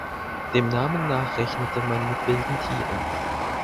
Dem Namen nach rechnete man mit wilden Tieren.